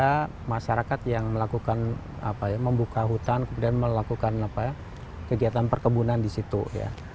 ada masyarakat yang melakukan apa ya membuka hutan kemudian melakukan kegiatan perkebunan di situ ya